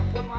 ya ampun mak